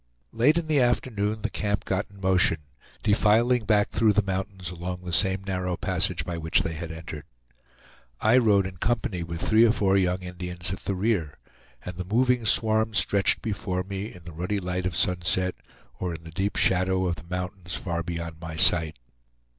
Late in the afternoon the camp got in motion, defiling back through the mountains along the same narrow passage by which they had entered. I rode in company with three or four young Indians at the rear, and the moving swarm stretched before me, in the ruddy light of sunset, or in the deep shadow of the mountains far beyond my sight.